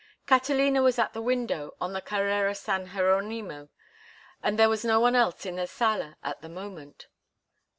Catalina was at the window on the Carrera San Jeronimo, and there was no one else in the sala at the moment.